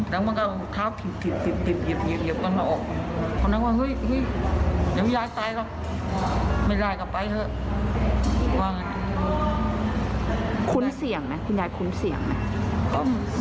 แล้วมันก็เอาเท้าถีบหยิบ